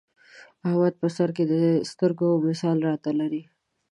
احمد په سرکې د سترګو مثال را ته لري.